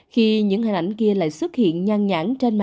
khi những hình ảnh kia lại xuất hiện nhan nhãn trên màn xã hội